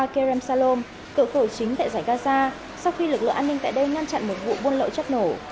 kerem salom cửa khẩu chính tại giải gaza sau khi lực lượng an ninh tại đây ngăn chặn một vụ buôn lậu chất nổ